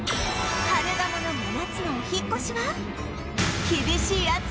カルガモの真夏のお引っ越しは